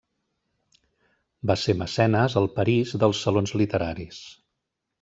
Va ser mecenes al París dels salons literaris.